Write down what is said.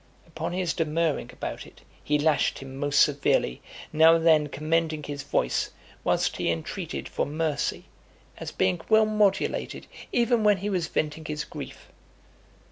Upon his demurring about it, he lashed him most severely, now and then commending his voice, whilst he entreated for mercy, as being well modulated even when he was venting his grief.